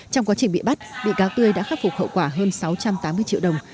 trong quá trình bị bắt bị cáo tươi đã khắc phục hậu quả hơn sáu trăm tám mươi triệu đồng